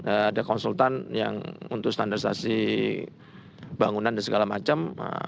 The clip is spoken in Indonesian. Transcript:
ada konsultan yang untuk standarisasi bangunan dan segala macam